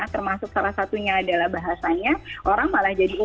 termasuk salah satunya adalah bahasanya orang malah jadi